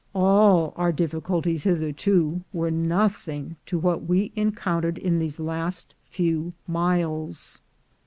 All our difficulties hitherto were nothing to what we en countered in these last few miles.